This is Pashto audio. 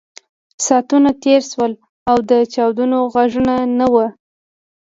ساعتونه تېر شول او د چاودنو غږونه نه وو